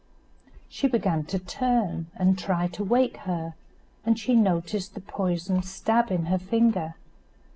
She began to turn and try to wake her, and she noticed the poisoned stab in her finger.